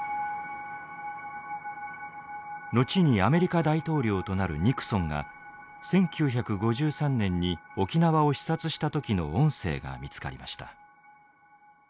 後にアメリカ大統領となるニクソンが１９５３年に沖縄を視察した時の音声が見つかりました。